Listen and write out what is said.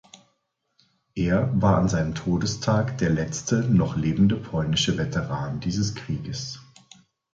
Er war an seinem Todestag der letzte noch lebende polnische Veteran dieses Krieges.